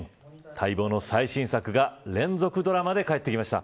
待望の最新作が連続ドラマで帰ってきました。